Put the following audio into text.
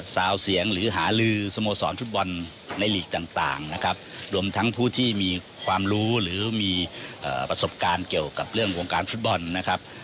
จะได้เท่าเทียมเช่นเดียวกันครับ